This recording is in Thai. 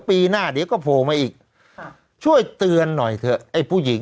ปีหน้าเดี๋ยวก็โผล่มาอีกค่ะช่วยเตือนหน่อยเถอะไอ้ผู้หญิง